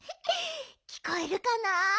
きこえるかな？